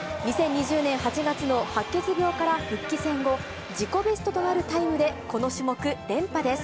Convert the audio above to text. ２０２０年８月の白血病から復帰戦後、自己ベストとなるタイムで、この種目、連覇です。